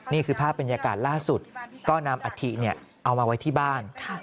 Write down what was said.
นี่คือภาพบรรยากาศล่าสุดก็นำอัฐิเอามาไว้ที่บ้าน